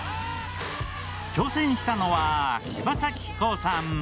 挑戦したのは、柴咲コウさん